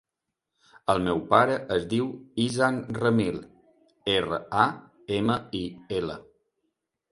El meu pare es diu Izan Ramil: erra, a, ema, i, ela.